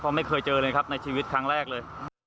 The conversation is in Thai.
เพราะไม่เคยเจอเลยครับในชีวิตครั้งแรกเลย